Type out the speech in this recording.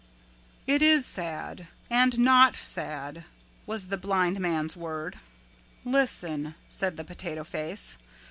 "It is sad and not sad," was the blind man's word. "Listen," said the Potato Face.